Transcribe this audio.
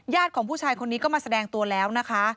ของผู้ชายคนนี้ก็มาแสดงตัวแล้วนะคะ